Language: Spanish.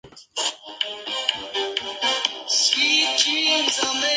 El padre Santa María invitó a los mejores músicos locales para que la interpretaran.